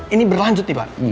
ini berlanjut nih pak